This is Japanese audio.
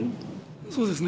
そうですね。